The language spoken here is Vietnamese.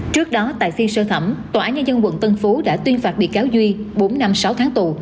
trước đó tại phiên sơ thẩm tòa án nhân dân quận tân phú đã tuyên phạt bị cáo duy bốn năm sáu tháng tù